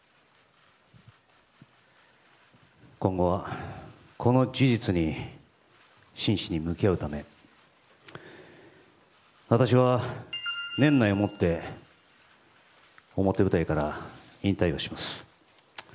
今後はこの事実に真摯に向き合うため私は年内をもって表舞台から引退をします。